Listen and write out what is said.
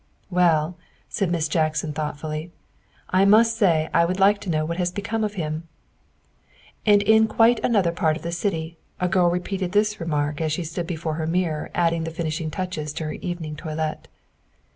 " Well," said Miss Jackson thoughtfully, " I must say I would like to know what has become of him. '' And in quite another part of the city a girl repeated this remark as she stood before her mirror adding the finishing touches to her evening toilet.